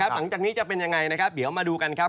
หลังจากนี้จะเป็นยังไงนะครับเดี๋ยวมาดูกันครับ